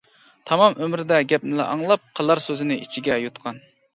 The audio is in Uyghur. تامام ئۆمرىدە گەپنىلا ئاڭلاپ قىلار سۆزىنى ئىچىگە يۇتقان.